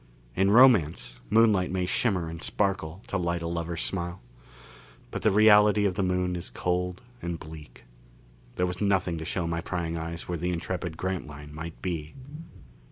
In romance, moonlight may shimmer and sparkle to light a lover's smile; but the reality of the Moon is cold and bleak. There was nothing to show my prying eyes where the intrepid Grantline might be.